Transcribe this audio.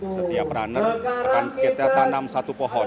setiap runner akan kita tanam satu pohon